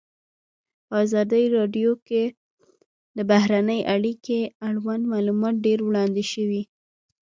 په ازادي راډیو کې د بهرنۍ اړیکې اړوند معلومات ډېر وړاندې شوي.